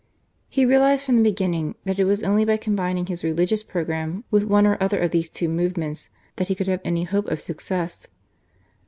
He realised from the beginning that it was only by combining his religious programme with one or other of these two movements that he could have any hope of success.